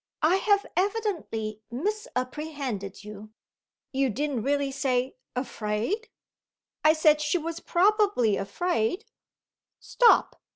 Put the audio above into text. I have evidently misapprehended you. You didn't really say, afraid?" "I said she was probably afraid " "Stop!